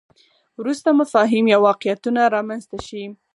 وروسته مفاهیم یا واقعیتونه رامنځته شي.